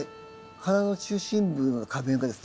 花の中心部の花弁がですね